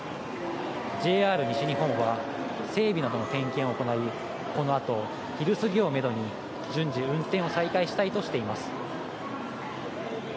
ＪＲ西日本は整備などの点検を行い、この後、昼過ぎをめどに順次運転を再開したいとしています。